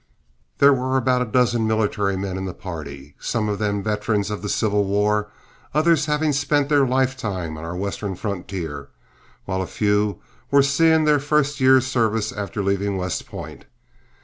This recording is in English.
There were about a dozen military men in the party, some of them veterans of the civil war, others having spent their lifetime on our western frontier, while a few were seeing their first year's service after leaving West Point.